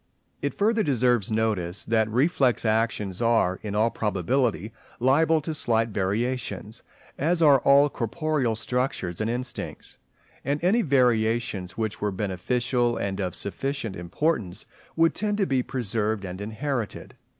It further deserves notice that reflex actions are in all probability liable to slight variations, as are all corporeal structures and instincts; and any variations which were beneficial and of sufficient importance, would tend to be preserved and inherited.